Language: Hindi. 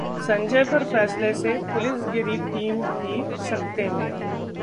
संजय पर फैसले से 'पुलिसगिरी' टीम भी सकते में